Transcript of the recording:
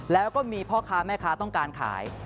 แล้วก็มีพ่อค้าแม่ค้าต้องการขาย